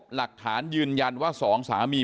หลักฐานยืนยันว่าสองสามี